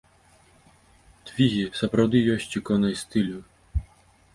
Твігі сапраўды ёсць іконай стылю.